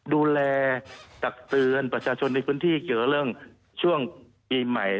ดูแลตักเตือนประชาชนในพื้นที่เกี่ยวเรื่องช่วงปีใหม่